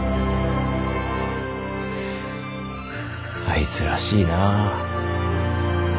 あいつらしいな。